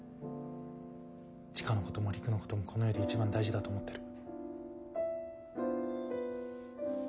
千佳のことも璃久のこともこの世で一番大事だと思ってる。